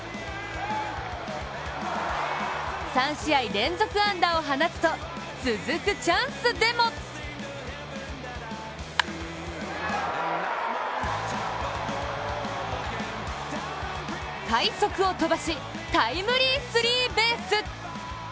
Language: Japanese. ３試合連続安打を放つと続くチャンスでも快足を飛ばし、タイムリースリーベース！